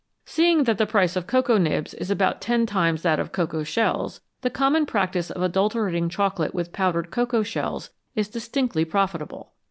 Seeing that the price of cocoa nibs is about ten times that of cocoa shells, the common practice of adulterating chocolate with powdered cocoa shells is distinctly profitable.